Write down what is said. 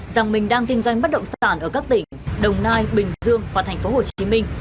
rằng mình đang kinh doanh bất động sản ở các tỉnh đồng nai bình dương và thành phố hồ chí minh